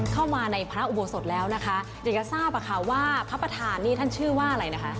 เข้ามาในพระอุโบสถแล้วนะคะเดี๋ยวจะทราบอะค่ะว่าพระประธานนี่ท่านชื่อว่าอะไรนะคะ